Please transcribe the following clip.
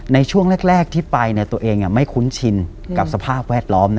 ในช่วงแรกที่ไปตัวเองไม่คุ้นชินกับสภาพแวดล้อม